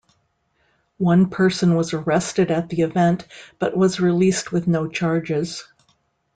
One person was arrested at the event but was released with no charges.